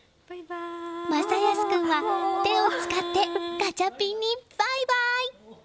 正康君は、手を使ってガチャピンにバイバイ！